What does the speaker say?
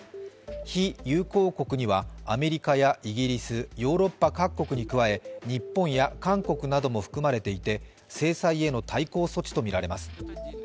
非友好国にはアメリカやイギリスヨーロッパ各国に加え日本や韓国なども含まれていて制裁への対抗措置とみられます。